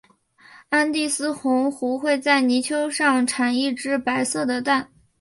安第斯红鹳会在泥丘上产一只白色的蛋。